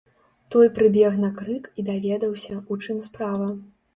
Той прыбег на крык і даведаўся, у чым справа.